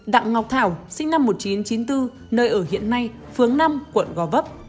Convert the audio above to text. đặng ngọc thảo sinh năm một nghìn chín trăm chín mươi bốn nơi ở hiện nay phường an phú đông quận một mươi hai